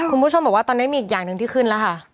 คุณผู้ชมบอกว่าตอนนี้มีอีกอย่างหนึ่งที่ขึ้นแล้วค่ะ